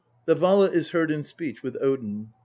The Vala is heard in speech with Odin.